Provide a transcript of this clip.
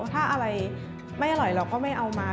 ถ้าอะไรไม่อร่อยเราก็ไม่เอามา